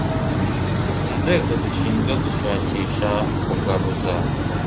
inzego zishinzwe gushakisha kugaruza